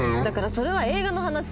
だからそれは映画の話！